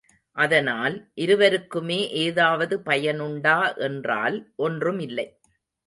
அதனால், இருவருக்குமே ஏதாவது பயனுண்டா என்றால் ஒன்றுமில்லை.